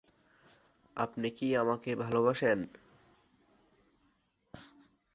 তবে আটা থেকে ময়দার দাম খানিকটা বেশি।